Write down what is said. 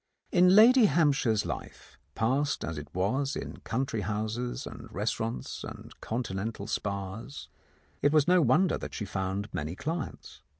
In Lady Hampshire's life, passed as it was in country houses and restaurants and Continental spas, it was no wonder that she found many clients.